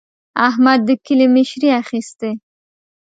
احمد د کلي مشري اخېستې.